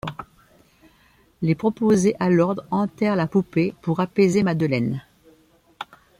Les préposés à l’ordre enterrent la poupée pour apaiser Madeleine.